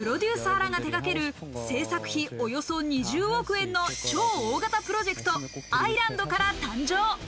ＢＴＳのプロデューサーらが手がける、制作費およそ２０億円のオーディション番組、『Ｉ−ＬＡＮＤ』から誕生。